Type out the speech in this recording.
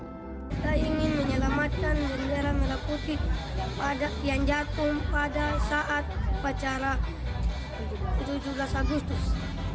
kita ingin menyelamatkan bendera merah putih yang jatuh pada saat upacara tujuh belas agustus